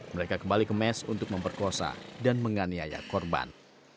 mereka kembali ke mes untuk memperkosa dan menganiaya korban